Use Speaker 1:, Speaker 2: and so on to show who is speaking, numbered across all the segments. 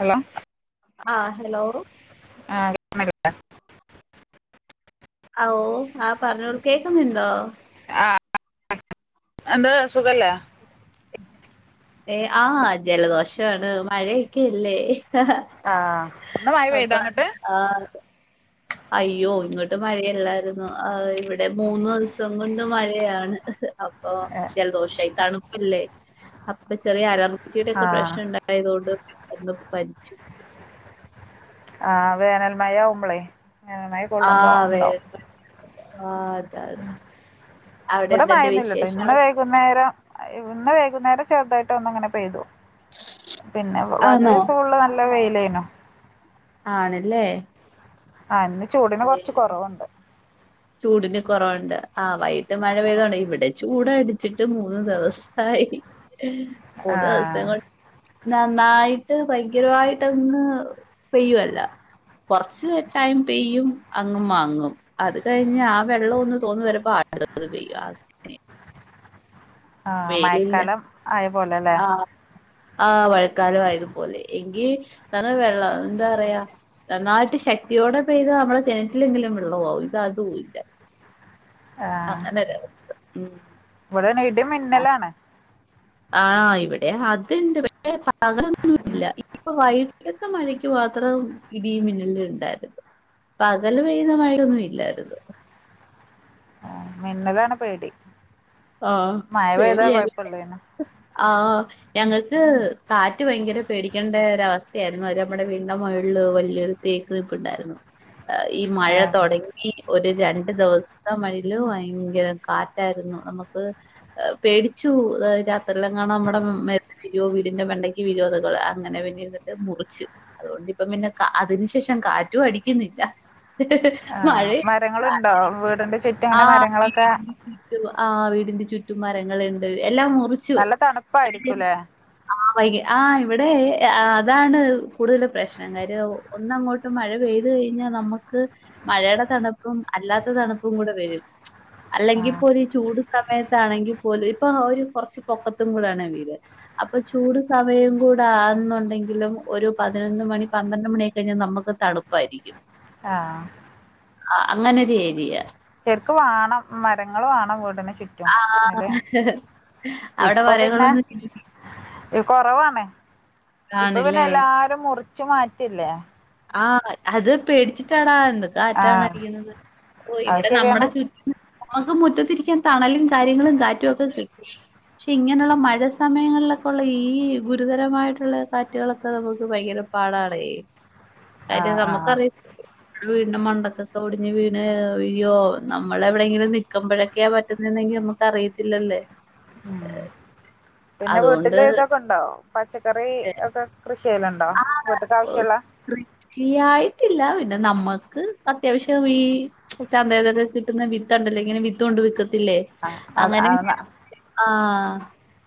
Speaker 1: Hello.
Speaker 2: ആഹ് hello
Speaker 1: ആഹ് [unintelligible]
Speaker 2: ഔ ആഹ് പറഞ്ഞോളു കേക്കുന്നുണ്ടോ
Speaker 1: ആഹ് എന്താ സുഖല്ലേ
Speaker 2: ആഹ് ജലദോഷണ് മഴയൊക്കെല്ലേ
Speaker 1: ആഹ് ഇന്ന് മഴ പെയ്താ
Speaker 2: അപ്പൊ
Speaker 1: അങ്ങട്ട്
Speaker 2: ആഹ് അയ്യോ ഇങ്ങോട്ട് മഴയല്ലായിരുന്നു ആ ഇവിടെ മൂന്ന് ദിവസം കൊണ്ട് മഴയാണ് അപ്പൊ ജലദോഷയി തണുപ്പല്ലേ അപ്പൊ ചെറിയ അലർജിയുടെ ഒക്കെ
Speaker 1: ആഹ്
Speaker 2: പ്രശ്നംണ്ടായി യോണ്ട് പെട്ടെന്ന് പനിച്ചു
Speaker 1: ആഹ് വേനൽമയ ആവുമ്പളേ നന്നായി
Speaker 2: ആഹ് വേനൽ ആഹ് അവിടെ എന്തുണ്ട് വിശേഷം
Speaker 1: കുന്നേരം ഇന്ന് വൈകുന്നേരം ചെർതായിട്ട് ഒന്ന്ങ്ങനെ പെയ്തു പിന്നെ വക
Speaker 2: ആണോ
Speaker 1: ദിസൊള്ള നല്ല വെയിലേനു
Speaker 2: ആണ്ല്ലേ
Speaker 1: ആഹ് ഇന്ന് ചൂട്ന് കൊർച്ച് കൊറവുണ്ട്
Speaker 2: ചൂടിന് കൊറവ്ണ്ട് ആഹ് വൈകീട്ട് മഴ പെയ്തോണ്ട് ഇവടെ ചൂടടിച്ച്ട്ട് മൂന്ന് ദെവസായി മൂന്ന്
Speaker 1: ആഹ്
Speaker 2: ദെവസം കൊണ്ട് നന്നായിട്ട് ഭയങ്കരമായിട്ടൊന്ന് പെയ്യുവല്ല കൊർച്ച് ടൈം പെയ്യും അങ്ങ് മങ്ങും അത് കഴിഞ്ഞ് ആ വെള്ളം ഒന്ന് തോർന്ന് വെരുമ്പൊ അട്ത്തത് പെയ്യും അങ്ങനെ
Speaker 1: ആഹ്
Speaker 2: വെയിലില്ല
Speaker 1: മയക്കാലം ആയ പോലെ അല്ലെ
Speaker 2: ആഹ് മഴക്കാലം ആയതുപോലെ എങ്കി ന്നറയെ വെള്ളം എന്താറയാ നന്നായിട്ട് ശക്തിയോടെ പെയ്താ നമ്മളെ കെണറ്റിലെങ്കിലും വെള്ളമാവും ഇത് അതൂല്ല അങ്ങനൊരവസ്ഥ ഉം
Speaker 1: ഇവിടേണെ ഇടി മിന്നലാണ്
Speaker 2: ആഹ് ഇവിടെ അത്ണ്ട് പക്ഷെ പകലൊന്നും ഇല്ല ഇപ്പം വൈകിട്ടത്തെ മഴയ്ക്ക് മാത്രം ഇടീം മിന്നലും ഇണ്ടായ്രുന്നു പകല് പെയ്യുന്ന മഴയൊന്നും ഇല്ലായ്ര്ന്നു
Speaker 1: ആഹ് മിന്നലാണ് പേടി
Speaker 2: ആഹ്
Speaker 1: മഴ പെയ്താ
Speaker 2: പേടിയായി
Speaker 1: കൊഴപ്പല്ലേനു
Speaker 2: ആഹ് ഞങ്ങക്ക് കാറ്റ് ഭയങ്കര പേടിക്കേണ്ട ഒരവസ്ഥയാര്ന്നു അത് നമ്മടെ വീട്ൻ്റെ മേള്ള് വല്യൊരു തേക്ക് നിപ്പുണ്ടാര്ന്നു അഈ മഴ
Speaker 1: ഏഹ്
Speaker 2: തോടങ്ങി ഒര് രണ്ട് ദെവസത്തെ മഴേല് ഭയങ്കര കാറ്റായ്രുന്നു നമ ക്ക് പേടിച്ചു രാത്രീലെങ്ങാനും നമ്മടെ മേ ത്ത്ക്ക് വീഴോ വീടിന്റെ മണ്ടക്ക് വീഴോന്നൊക്കെള്ള അങ്ങനെ പിന്നെ ഇരിന്ന്ട്ട് മുറിച്ച് അതോണ്ട് ഇപ്പം പിന്നെ കാ അതിന് ശേഷം കാറ്റും അടിക്കുന്നില്ല
Speaker 1: ആ
Speaker 2: മഴേം
Speaker 1: മരങ്ങളുണ്ടോ വീടിന്റെ ചുറ്റും അങ്ങനെ
Speaker 2: ആഹ്
Speaker 1: മരങ്ങളൊക്കെ
Speaker 2: ചുറ്റും ആഹ് വീടിന്റെ ചുറ്റും മരങ്ങള്ണ്ട് എല്ലാം മുറിച്ചു
Speaker 1: നല്ല തണുപ്പായിരിക്കൂല്ലേ
Speaker 2: ആഹ് വൈകി ആഹ് ഇവിടെ അതാണ് കൂട്തലും പ്രശ് ഞങ്ങരു ഒന്നങ്ങോട്ട് മഴ പെയ്തു കഴിഞ്ഞാ നമക്ക് മഴേടെ തണുപ്പും അല്ലാത്ത തണുപ്പുകൂടെ വെരും അല്ലെങ്കി ഇപ്പൊര് ചൂട് സമയത്താണെങ്കി പോലും ഇപ്പോ ഒര് കൊർച്ച് പൊക്കത്തും കൂടേണ് വീട് അപ്പൊ ചൂട് സമയം കൂടെ ആവ്ന്നുണ്ടെങ്കിലും ഒരു പതിനൊന്ന് മണി പന്ത്രണ്ട് മണി ആയി കഴിഞ്ഞാ നമക്ക് തണുപ്പായിരിക്കും
Speaker 1: ആഹ്
Speaker 2: ആഹ് അങ്ങനൊരു ഏരിയ
Speaker 1: ശെരിക്കും വേണം മരങ്ങള് വേണം വീടിന് ചു
Speaker 2: ആഹ് അവിടെ
Speaker 1: ഇപ്പൊ പിന്നെ
Speaker 2: മരഞ്ഞളൊന്നും
Speaker 1: കൊറവാണ് ഇപ്പൊ
Speaker 2: കാണില്ല.
Speaker 1: പിന്നെ എല്ലാരും മുറിച്ച് മാറ്റല്ലേ
Speaker 2: ആഹ് അത് പേടിച്ചിട്ടാടാ ന്ന്
Speaker 1: ആ
Speaker 2: കാറ്റാണ് അടിക്കുന്നത് ഓഹ്
Speaker 1: അത്
Speaker 2: ഇവിടെ
Speaker 1: ശരിയാണ്
Speaker 2: നമ്മടെ ചുറ്റും നമക്ക് മുറ്റത്തിരിക്കാൻ തണലും കാര്യങ്ങളും കാറ്റും ഒക്കെ കിട്ടും പക്ഷെ ഇങ്ങനെള്ള മഴ സമയങ്ങളിലൊക്കെ ഉള്ള ഈ ഗുരുതരമായിട്ട്ള്ള കാറ്റുകളൊക്കെ നമുക്ക് ഭയങ്കര പാടാണേ
Speaker 1: ആ
Speaker 2: കാര്യം
Speaker 1: ആ
Speaker 2: നമുക്കറിയ ഞമ്മടെ വീടിന്റെ മണ്ടക്കൊക്കൊടിഞ്ഞ് വീണ് അയ്യോ നമ്മളെ എവിടെങ്കിലും നിക്കുമ്പഴൊക്കെയാ പറ്റുന്നുന്നെങ്കി നമക്ക് അറിയത്തില്ലല്ലേ
Speaker 1: ആഹ് പിന്നെ
Speaker 2: അതുകൊണ്ട്
Speaker 1: വീട്ട്ല് ഇതൊക്കെ ഇണ്ടോ? പച്ചക്കറി ഒക്കെ കൃഷി ചെയ്യല്ണ്ടോ വീട്ട്ക്ക് ആവശ്യള്ള
Speaker 2: കൃഷിയായിട്ടില്ല പിന്നെ നമ്മക്ക് അത്യാവശ്യം ഈ ചന്തന്നോക്കെ കിട്ടുന്ന വിതോണ്ടല്ലോഇങ്ങനെ വിത്ത് കൊണ്ട് വിക്കത്തില്ലേ
Speaker 1: ആ അത്
Speaker 2: അങ്ങനെ ഞാ
Speaker 1: ആ
Speaker 2: ആഹ്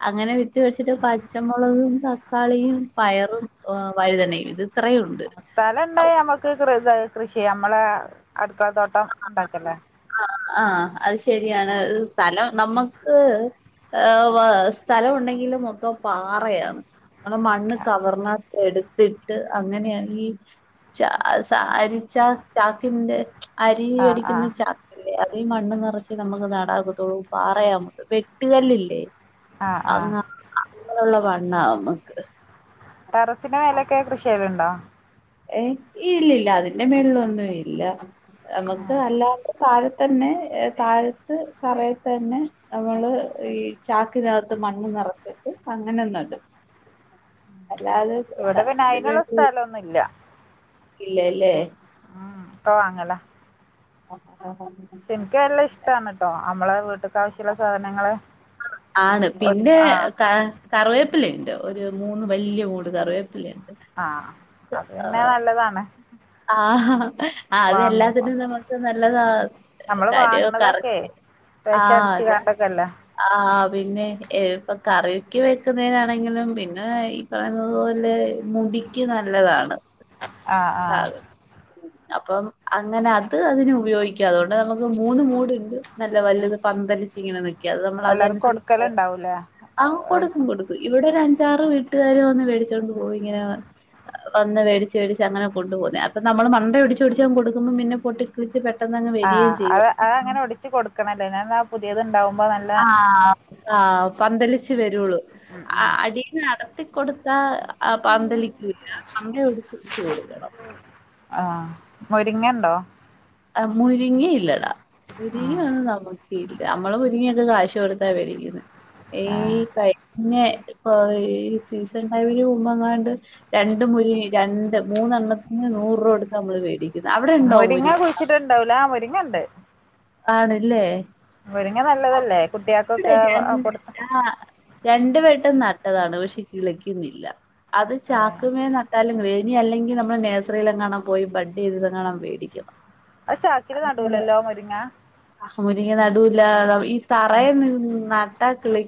Speaker 2: അങ്ങനെ വിത്ത്കൊണ്ട് വച്ചിട്ട് പച്ചമുളകും തക്കാളിയും പയറും വഴുതനയും ഇത് ഇത്രയുണ്ട്
Speaker 1: സ്ഥലംണ്ടായ നമ്മക്ക് കൃത കൃഷിയ്യാം നമ്മളെ അട്ക്കള തോട്ടംണ്ടാക്കല്ലേ
Speaker 2: ആഹ് ആഹ് അത്ശരിയാണ് സ്ഥലം നമ്മക്ക് ഹ് വ സ്ഥലംഉണ്ടെങ്കിലും മൊത്തം പാറയാണ് ങ്ങള് മണ്ണ് കവർന്നത്തി എടുത്തിട്ട് അങ്ങനെയ ഈ ച ഹ് സ അരിച്ച ചാക്കിന്റെ അരി
Speaker 1: ആഹ്
Speaker 2: വേടിക്ക്ന്ന
Speaker 1: ആഹ്
Speaker 2: ചാക്കിന്റെ ല്ലെ അതി ഈ മണ്ണ് നറച്ച് നമുക്ക് നടാഒക്കത്തോള്ളൂ പാറയാമൊത്തം വെട്ടുകല്ലില്ലേ
Speaker 1: ആഹ് ആഹ്
Speaker 2: അങ്ങ അങ്ങനള്ള മണ്ണാ നമക്ക്
Speaker 1: ടെറസ്ന്റെ മേലൊക്കെ കൃഷിയ്യലുണ്ടോ
Speaker 2: ഏഹ് ഇല്ലില്ല അതിന്റെ മെള്ള്ലോന്നും ഇല്ല നമ്മക്ക് അല്ലാതെ താഴെത്തന്നെ താഴത്ത് തറയത്ത് തന്നെ നമ്മള് ഈ ചാക്കിനകത്ത് മണ്ണ് നറച്ച്ട്ട് അങ്ങനേനടും അല്ലാതേ
Speaker 1: ഇവ്ടെ പിന്നെ അയ്നുള്ള സ്ഥലോന്നുല്ല
Speaker 2: ഇല്ലല്ലേ
Speaker 1: ക്ക വാങ്ങല
Speaker 2: [unintelligible]
Speaker 1: ഇൻക്കല്ല ഇഷ്ടാണ്ട് ട്ടോ അമ്മളെ വീട്ട് ക്കാവിശ്യള്ള സാധനങ്ങള് ഒര് ആഹ്
Speaker 2: കറവേപ്പില ഇണ്ട് ഒരു മൂന്ന് വല്ല്യ മൂട് കറിവേപ്പിഇണ്ട്
Speaker 1: ആഹ് അത് തന്നെ നല്ലതാണ്
Speaker 2: ആഹ് ആഹ് അത്
Speaker 1: വാങ്ങുമ്പോ
Speaker 2: എല്ലാത്തിനും നമുക്ക് നല്ലതാ കാര്രോ കറിക്ക്
Speaker 1: വെഷ അടിച്ച് കാണ്ട് ക്കെല്ലെ
Speaker 2: ആഹ് പിന്നെ ഇപ്പൊ കറിയൊക്കെ വെക്കുന്നീനാണെങ്കിലും പിന്ന ഇ പറയുന്നത്‌ പോലെ മുടിക്ക് നല്ലതാണ്
Speaker 1: ആഹ് ആഹ്
Speaker 2: സാധനം അപ്പം അങ്ങനെ അത് അതിന് ഉപയോഗിക്കാം അതുകൊണ്ട് നമുക്ക് മൂന്ന് മൂട്ണ്ട് നല്ല വലത് പന്തലിച്ചി ഇങ്ങനെ നിക്ക്യ അത് നമ്മൾ
Speaker 1: എല്ലാർക്കും
Speaker 2: അതനുസരിച്ച്
Speaker 1: കൊടുക്കലുണ്ടാവൂലേ
Speaker 2: ആഹ്
Speaker 1: എടു
Speaker 2: കൊടുക്കും കൊടുക്കും ഇവിടെ ഒരു അഞ്ചാറ് വീട്ടുകാർ വന്ന് മേടിച്ചോണ്ട് പോകും ഇങ്ങനെ വന്ന് വേടിച്ച് വേടിച്ച് അങ്ങനെ കൊണ്ടു പോക്ന്നേ അപ്പൊ നമ്മള് മണ്ടയോ ടിച്ചാ ടിച്ച് കൊടുക്കുമ്പം പിന്നെ പൊട്ടി കിളിച്ച് പെട്ടെന്നെന്നെ
Speaker 1: ആഹ് അത് അത് അങ്ങനെ ഒടിച്ച് കൊടുക്കണല്ലേ ഞാ ന്ന പുതിയത് ഇണ്ടാവുമ്പോ നല്ല
Speaker 2: ആഹ് പന്തലിച്ച് വരോള്ളൂ
Speaker 1: ഉം ഉം
Speaker 2: അടി ന്ന് അടർത്തി കൊടുതാ ആ പന്തലികൂല്ല മണ്ടയോടിച്ചോടിച്ചു കൊടുക്കണം
Speaker 1: ആഹ് മുരിങ്ങണ്ടോ
Speaker 2: ആഹ് മുരിങ്ങിയില്ലടാ മുരിങ്ങ
Speaker 1: ഉം
Speaker 2: ഒന്നും നമുക്ക് [unintelligible] നമ്മള് മുരരിങ്ങയൊക്കെ കാശ് കൊടുത്താ വേടിക്ക്ന്നെ ഈ
Speaker 1: ആഹ്
Speaker 2: കഴിഞ്ഞ പ്പോ ഈ സീസൺടൈമ്ന് മുമ്പങ്ങാണ്ട് രണ്ട് മുരി രണ്ട് മൂന്നെണ്ണത്തിന് നൂറ് രൂപട്ത്ത അമ്മള് മേടിക്കുന്നത് അവിടെണ്ടോ മുരി
Speaker 1: ച്ച്ട്ടാണ്ടാവൂല ആഹ് മുരിങ്ങണ്ട്
Speaker 2: ആണല്ലേ
Speaker 1: മുരിങ്ങ നല്ലതല്ലേ
Speaker 2: [inaudible]
Speaker 1: കുട്ടികൾക്കൊക്കെ കൊടുത്ത
Speaker 2: ആ രണ്ടുവെട്ടം നട്ടതാണ് പക്ഷെ കിളിക്കുന്നില്ല അത് ചാക്കുമേ നട്ടാലും വേനി അല്ലെങ്കിൽ നമ്മള് നേഴ്സറിലങ്ങാണും പോയി ബഡയ്ത് ങ്ങാണം വേടിക്കണം
Speaker 1: അഹ് ചാക്കില് നടൂലല്ലോ മുരിങ്ങ
Speaker 2: അഹ് മുരിങ്ങ നടൂല്ല ഈ തറേന്ന് നട്ടാകിളി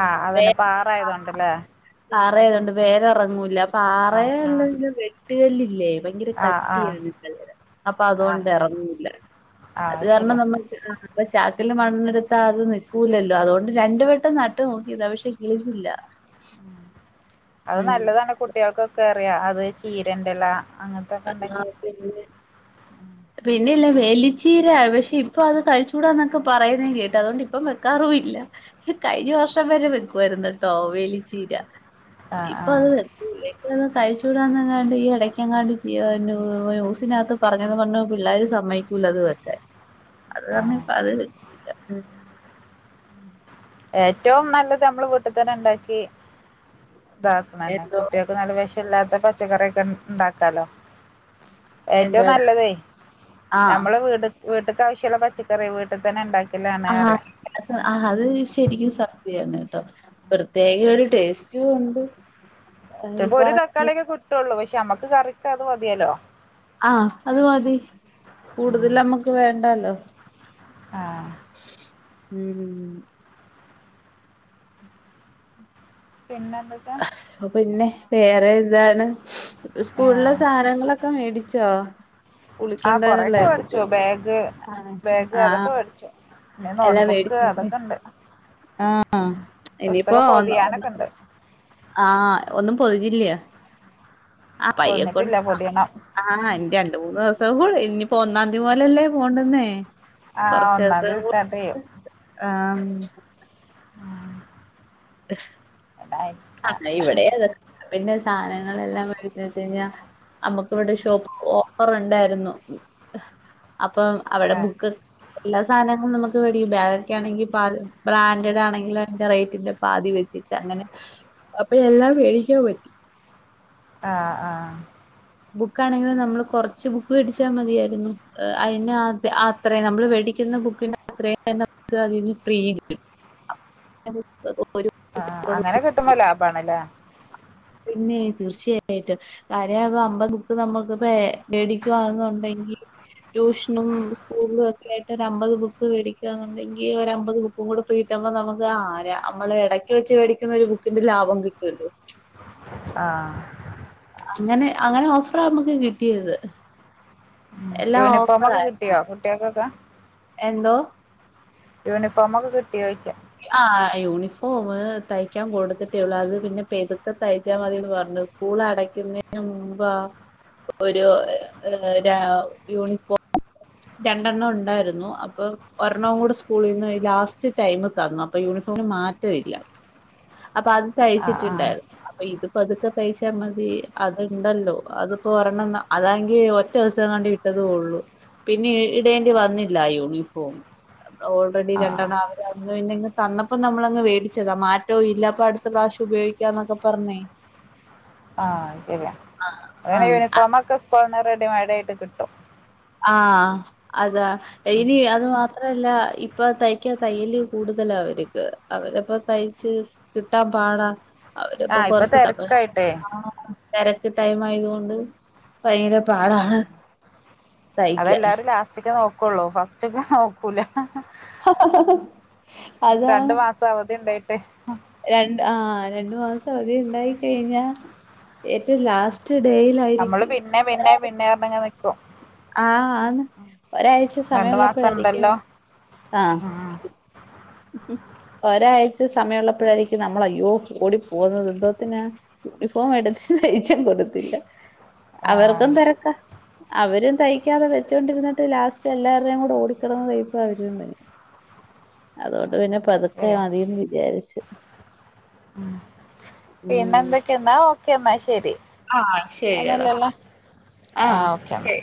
Speaker 1: ആഹ് അതന്നെ പാറ ആയതൊണ്ട്ല്ലേ
Speaker 2: പാറആയതൊണ്ട് വേര് എറങ്ങൂല്ല
Speaker 1: ആ ആ
Speaker 2: പാറല്ലല്ല വെട്ടുകല്ലില്ലേ ഭയങ്കര
Speaker 1: ആ ആ
Speaker 2: കട്ടിയാണ് കല്ല് അപ്പൊ
Speaker 1: ആ
Speaker 2: അതുകൊണ്ട് ഇറങ്ങില്ല
Speaker 1: ആ
Speaker 2: അത് കാരണം
Speaker 1: ശരിയാ
Speaker 2: നമ്മൾ ആഹ് അപ്പൊ ചാക്കല് മണ്ണേടുത്താ അത് നിൽക്കൂലല്ലോ അതുകൊണ്ട് രണ്ടു വട്ടം നട്ട് നോക്കിയതാ പക്ഷെ കിളിച്ചില്ല
Speaker 1: അത്
Speaker 2: ഉം
Speaker 1: നല്ലതാണ് കുട്ടികൾക്കൊക്കെ അറിയ അത് ചീരന്റെല അങ്ങൻ
Speaker 2: എന്നാ പിന്നെ പിന്നെല്ല വേലിച്ചീര പക്ഷെ ഇപ്പൊ അത് കഴിച്ചൂടാന്നൊക്കെ പറയുന്നേ കേട്ട് അതുകൊണ്ട് ഇപ്പം വെക്കാറും ഇല്ല കഴിഞ്ഞ വർഷം വരെ വെക്കുആയിരുന്നുട്ടോ വേലി ചീര
Speaker 1: ആ ആ
Speaker 2: ഇപ്പൊ അത് വെ [unintelligible] കഴിച്ചൂടാന്ന ങ്ങാണ്ട് ഈ ഇടയ്ക്ക എങ്ങാണ്ട് ന്യൂസിനകത്ത് പറഞ്ഞത് കൊണ്ട് പിള്ളേര് സമ്മയ്ക്കൂല്ലത് വെക്കാൻ അത്
Speaker 1: ആ
Speaker 2: കാരണം ഇപ്പ അത് വെക്കുല മ്
Speaker 1: ഏറ്റവും നല്ലത് നമ്മൾ വീട്ടിൽത്തന്നെ ണ്ടാക്കി ഇതാക്ക്ണന്നെ
Speaker 2: എന്തോ
Speaker 1: കുട്ടിയാൾ ക്ക് നല്ല വെശം ഇല്ലാത്ത പച്ചക്കറിയൊക്കെ ഉണ്ടാക്കാലോ ഏറ്റവും
Speaker 2: എന്തോടാ
Speaker 1: നല്ലതേ
Speaker 2: ആഹ്
Speaker 1: നമ്മള് വീട് വീട്ടക്ക് ആാവശ്യമുള്ള പച്ചക്കറി വീട്ടിൽ തന്നെ ണ്ടാ
Speaker 2: ആഹ് ആഹ് അത് ശരിക്കും സത്യാണ് ട്ടോ പ്രത്യേക ഒരു ടേസ്റ്റ് ഉണ്ട് ആ, ഈ
Speaker 1: ചൽപ്പോ ഒരു
Speaker 2: പറഞ്ഞ
Speaker 1: തക്കാളിയൊക്കെ കിട്ടുവുള്ളൂ പക്ഷെ നമ്മക്ക് കറിക്ക് അത് മതിയെ ല്ലോ
Speaker 2: ആഹ് അത് മതി. കൂടുതൽ നമ്മക്ക് വേണ്ടാല്ലോ.
Speaker 1: ആഹ്.
Speaker 2: ഉം [inaudible]
Speaker 1: പിന്നെന്ത
Speaker 2: പിന്നെ വേറെ എന്താണ് സ്കൂളിലെ
Speaker 1: ആഹ്
Speaker 2: സാനങ്ങളൊക്കെ മേടിച്ചോ? സ്കൂളിൽ
Speaker 1: ആഹ്
Speaker 2: കൊണ്ടുപോകാനല്ലേ
Speaker 1: കൊറെയൊക്കെ വേടിച്ചു.
Speaker 2: കുട്ടികൾക്ക്
Speaker 1: ബാഗ്, ബാഗ് അതൊക്കെ
Speaker 2: ആഹ്
Speaker 1: വേടിച്ചു. പിന്നെ
Speaker 2: എല്ലാം
Speaker 1: നോട്ട്ബുക്ക്
Speaker 2: മേടിച്ചു
Speaker 1: അതൊക്കെ ണ്ട്. ഉം
Speaker 2: ഇനിയിപ്പോ
Speaker 1: പുസ്തകം
Speaker 2: ഒന്ന് ഒന്ന്
Speaker 1: പൊതിയാനൊക്കെ ണ്ട്.
Speaker 2: ആഹ് ഒന്നും പൊതിഞ്ഞില്ല്യൊ? ആഹ് പയ്യെ കൊണ്ട്
Speaker 1: പൊതിഞ്ഞിട്ടില്ല പൊതിയണം
Speaker 2: ആഹ് ഇനി രണ്ട് മൂന്ന് ദിവസം കൂടി. ഇനിയിപ്പോ ഒന്നാം തി മുതലല്ലേ പോണ്ടുന്നേ.
Speaker 1: ആ ഒന്നാം
Speaker 2: കൊറച്ചേസം
Speaker 1: തീയതി
Speaker 2: കൂടെ
Speaker 1: സ്റ്റാർട്ട്
Speaker 2: ണ്ട് ആഹ് ഉം
Speaker 1: ആഹ്.
Speaker 2: എഹ്
Speaker 1: അതായി.
Speaker 2: ആഹ് ഇവിടെ അതൊക്കെ [unintelligible] പിന്നെ സാധനങ്ങളെല്ലാം വേടിച്ച് വെച്ച് കഴിഞ്ഞാ. നമ്മക്ക് ഇവിടെ ഷോപ്പ് ഓഫർ ഉണ്ടായിരുന്നു. അപ്പം അവിടെ
Speaker 1: ആഹ്
Speaker 2: ബുക്ക് എല്ലാ സാനങ്ങളും നമുക്ക് വേടിക്കും. ബാഗ് ഒക്കെ ആണെങ്കി പാതി ബ്രാൻ്റ്ഡാണെങ്കിലും അയ്ന്റെ റേറ്റിന്റെ പാതി വെച്ചി ട്ടാ അങ്ങനെ. അപ്പൊ എല്ലാം മേടിക്കാൻ പറ്റി.
Speaker 1: ആഹ് ആഹ്.
Speaker 2: ബുക്കാണെങ്കിലും നമ്മള് കൊറച്ച് ബുക്ക് വേടിച്ചാ മതിയായിരുന്നു. അയ്നെ അത് അത്രയും നമ്മള് വേടിക്കുന്ന ബുക്കിന്റെ അത്രയും നമുക്ക് അതിന്ന് ഫ്രീ [unintelligible] [unintelligible]
Speaker 1: ആഹ് അങ്ങനെ കിട്ട്ണ ലാഭാണ് ല്ലേ.
Speaker 2: പിന്നേ തീർച്ചയായിട്ടും. കാര്യായിപ്പ അമ്പത് ബുക്ക് നമുക്ക് പ്പേ മേടിക്കുവാന്നുണ്ടെങ്കി ട്യൂഷനും സ്കൂളും ഒക്കെ ആയിട്ട് ഒരു അമ്പത് ബുക്ക് വേടിക്കുക എന്നുണ്ടെങ്കി ഒരമ്പത് ബു ക്കും കൂടെ ഫ്രീ കിട്ട്മ്പോ നമുക്ക് ആഹ് രാ നമ്മള് എടക്ക് വെച്ച് വേടിക്കുന്ന ഒരു ബുക്കിന്റെ ലാഭം കിട്ട്വല്ലോ.
Speaker 1: ആഹ്.
Speaker 2: അങ്ങനെ അങ്ങനെ ഓഫറാ നമ്മുക്ക് കിട്ടിയത്. എല്ലാം ഓഫറാ.
Speaker 1: യൂനിഫോമൊക്കെ കിട്ടിയോ കുട്ട്യേക്കൊക്കെ?
Speaker 2: എന്തോ?
Speaker 1: യൂണിഫോമൊക്കെ കിട്ടിയോ ചോയ്ക്കാ.
Speaker 2: ആഹ് യൂണിഫോമ് തയ്ക്കാൻ കൊടുത്തിട്ടേയൊള്ളു. അത് പിന്നെ പെതുക്കെ തയ്ച്ചാ മതീന്ന് പർഞ്ഞു സ്കൂൾ അടക്ക്യുന്നേന് മുമ്പാ ഒരു രാ യൂണിഫോം രണ്ടെണ്ണം ഉണ്ടായിരുന്നു. അപ്പൊ ഒരെണ്ണവും കൂടെ സ്കൂളീന്ന് ഈ ലാസ്റ്റ് ടൈമ് തന്നു. അപ്പൊ യൂണിഫോമിന് മാറ്റവില്ല. അപ്പൊ അത്
Speaker 1: ആ ആ
Speaker 2: തയ്ച്ചിട്ടുണ്ടായിരുന്നു. അപ്പൊ ഇതിപ്പോ പതുക്കെ തയ്ച്ചാ മതി അത് ഉണ്ടല്ലോ. അതിപ്പോ ഒരെണ്ണം അതാണെങ്കി ഒറ്റ ദിവസം എങ്ങാണ്ട് ഇ ട്ടതു ഒള്ളൂ. പിന്നെ ഇടേണ്ടി വന്നില്ല യൂണിഫോം. ഓൾറെഡി
Speaker 1: ആ
Speaker 2: രണ്ടെണ്ണം അവര് അന്ന് പിന്നെ ഇങ്ങ് തന്നപ്പം നമ്മളങ്ങ് വേടിച്ചതാ. മാറ്റോം ഇല്ല അപ്പൊ അടുത്ത പ്രാവശ്യം ഉപയോഗിക്കാന്നൊക്കെ പറഞ്ഞേ.
Speaker 1: ആഹ് ശരിയാ. [unintelligible] പിന്നെ
Speaker 2: ആഹ് അത്
Speaker 1: യൂണിഫോമൊക്കെ സ്കൂൾന്ന് റെഡിമെയ്ഡ് ആയിട്ട് കിട്ടും.
Speaker 2: ആഹ് അതാ.
Speaker 1: ഉം.
Speaker 2: ഇനി അത് മാത്ര അല്ല. ഇപ്പൊ തയ്ക്കാൻ തയ്യല് കൂടുതലാ അവര്ക്ക്. അവരപ്പ തയ്ച്ച് കിട്ടാൻ പാടാ.
Speaker 1: ആ
Speaker 2: അവര്പ്പൊ
Speaker 1: ഇപ്പൊ
Speaker 2: കൊറച്ട്ട് പ്പെ
Speaker 1: തിരക്കായിട്ടേ
Speaker 2: ആഹ് തിരക്ക് ടൈം ആയതുകൊണ്ട് ഭയങ്കര പാടാണ്.
Speaker 1: ഉം.
Speaker 2: തയ്ക്കാൻ
Speaker 1: അതെല്ലാരും ലാസ്റ്റ്ക്കെ നോക്കുള്ളൂ. ഫസ്റ്റ് ഒക്കെ നോക്കൂല. രണ്ടു
Speaker 2: അതാണ്
Speaker 1: മാസം അവധി ഉണ്ടായിട്ട്
Speaker 2: രണ്ട് ആഹ് രണ്ടു മാസം അവധി ഉണ്ടായിക്കഴിഞ്ഞാ ഏറ്റവും ലാ സ്റ്റ് ഡേയിലായിരിക്കും
Speaker 1: പിന്നേ പറഞ്ഞങ്ങ് നിൽക്കും.
Speaker 2: ആഹ് ആന്ന്. ഒരാഴ്ച
Speaker 1: രണ്ടു മാസം
Speaker 2: സമയമുള്ളപ്പോഴായിരിക്കും
Speaker 1: ഉണ്ടല്ലോ
Speaker 2: ആഹ്
Speaker 1: ഉം, ഉം.
Speaker 2: ഒരാഴ്ച സമയമുള്ളപ്പോഴായിരിക്കും നമ്മൾ അയ്യോ ഓടി പോകുന്നത് എന്തോത്തിനാ യൂണിഫോം എടുത്ത് തയിച്ചാൻ കൊടുത്തില്ല.
Speaker 1: ആ
Speaker 2: അവർക്കും തിരക്കാ. അവരും തയ്ക്കാതെ വെച്ചൊണ്ടിരുന്നിട്ട് ലാസ്റ്റ് എല്ലാവരുടെേയും കൂടെ ഓടിക്കടന്ന് തയ് [unintelligible] അതുകൊണ്ട് പിന്നെ പതുക്കെ
Speaker 1: ശരിയാ
Speaker 2: മതീന്ന് വിചാരിച്ചു.
Speaker 1: ഉം പിന്നെ
Speaker 2: ഉം
Speaker 1: എന്തൊക്കെയെന്നാ ഓക്കെ എന്നാ ശരി.
Speaker 2: ആഹ് ശരിയടാ
Speaker 1: ഒന്നൂല്ലല്ലോ. ആഹ് ഓക്കെ എന്നാ.